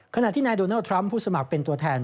ขณะที่นายโดนัลดทรัมป์ผู้สมัครเป็นตัวแทน